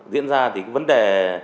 diễn ra thì vấn đề